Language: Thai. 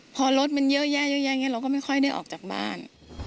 พอรถมันเยอะแยะเยอะแยะอย่างนี้เราก็ไม่ค่อยได้ออกจากบ้าน